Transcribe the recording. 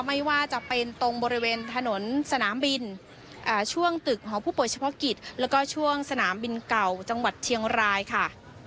ไม่ว่าจะเป็นตรงบริเวณถนนสนามบินช่วงตึกหอผู้ป่วยเฉพาะกิจแล้วก็ช่วงสนามบินเก่าจังหวัดเชียงรายค่ะ